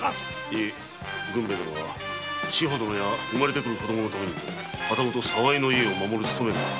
軍兵衛殿には志保殿や生まれ来る子のために旗本・沢井の家を守る務めがある。